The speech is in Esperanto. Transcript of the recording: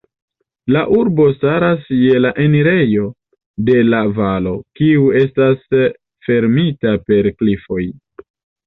La urbo staras je la enirejo de la valo, kiu estas fermita per klifoj.